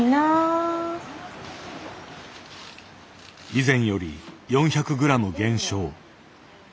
以前より４００ｇ減少。